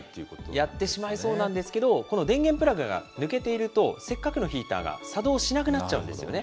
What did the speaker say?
やってしまいそうなんですけど、この電源プラグが抜けていると、せっかくのヒーターが作動しなくなっちゃうんですよね。